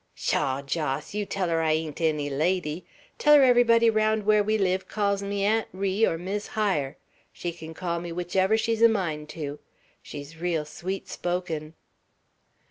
"Shaw, Jos! You tell her I ain't any lady. Tell her everybody round where we live calls me 'Aunt Ri,' or 'Mis Hyer;' she kin call me whichever she's a mind to. She's reel sweet spoken."